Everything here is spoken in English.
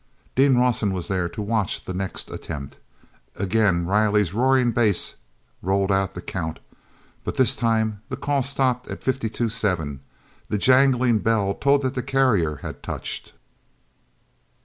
Dean Rawson was there to watch the next attempt. Again Riley's roaring bass rolled out the count, but this time the call stopped at fifty two seven. The jangling bell told that the carrier had touched.